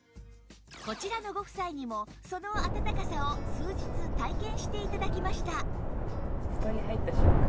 こちらのご夫妻にもそのあたたかさを数日体験して頂きました